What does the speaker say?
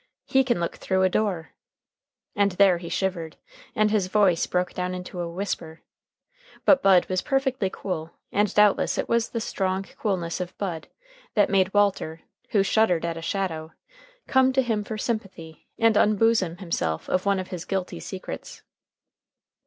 He can look through a door" and there he shivered, and his voice broke down into a whisper. But Bud was perfectly cool, and doubtless it was the strong coolness of Bud that made Walter, who shuddered at a shadow, come to him for sympathy and unbosom himself of one of his guilty secrets.